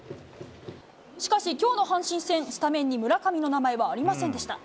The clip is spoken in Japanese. しかし、きょうの阪神戦、スタメンに村上の名前はありませんでした。